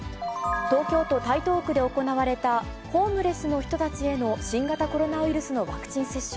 東京都台東区で行われたホームレスの人たちへの新型コロナウイルスのワクチン接種。